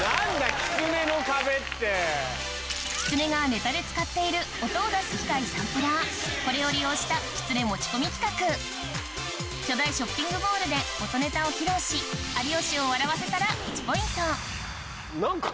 きつねがネタで使っている音を出す機械サンプラーこれを利用したきつね持ち込み企画巨大ショッピングモールで音ネタを披露し有吉を笑わせたら１ポイント何か。